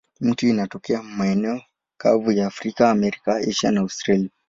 Miti hii inatokea maeneo kavu ya Afrika, Amerika, Asia na Australia.